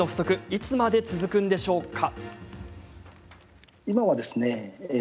いつまで続くんでしょうか。